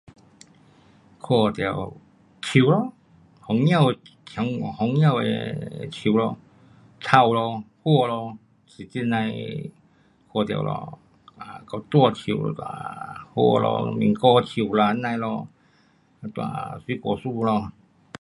看到树咯，门外的，um 门外的树咯，草咯，花咯，是这样的看到咯，啊，跟大树啦，花咯，跟苹果树啦这样的咯，啊，水果树咯。